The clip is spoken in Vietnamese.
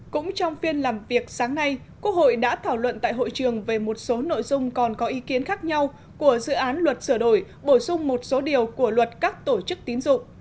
cũng trong phiên làm việc sáng nay quốc hội đã thảo luận tại hội trường về một số nội dung còn có ý kiến khác nhau của dự án luật sửa đổi bổ sung một số điều của luật các tổ chức tín dụng